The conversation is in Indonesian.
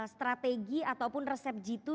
strategi ataupun resep jitu